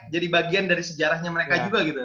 jadi bagian dari sejarahnya mereka juga gitu